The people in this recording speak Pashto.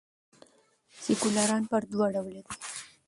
سیکولران پر دوه ډوله دي.